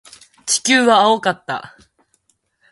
地球は青かった。